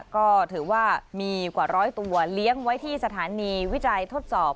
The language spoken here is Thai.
ก็ถือว่ามีกว่าร้อยตัวเลี้ยงไว้ที่สถานีวิจัยทดสอบ